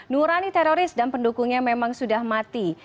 nurani teroris dan pendukungnya memang sudah mati